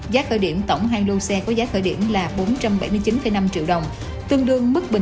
giá khởi điểm tổng hai lô xe có giá khởi điểm là bốn trăm bảy mươi chín năm triệu đồng